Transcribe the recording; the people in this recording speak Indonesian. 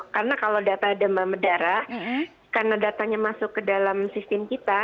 karena kalau data demam berdarah karena datanya masuk ke dalam sistem kita